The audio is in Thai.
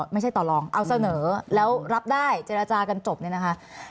ไม่ใช่ต่อลองเอาเสนอแล้วรับได้เจรจากันจบเนี่ยนะคะ